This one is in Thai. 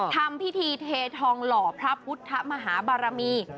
ทำพิธีเททองหล่อพระพุทธมหาบารมี